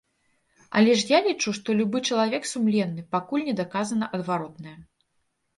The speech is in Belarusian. Але ж я лічу, што любы чалавек сумленны, пакуль не даказана адваротнае.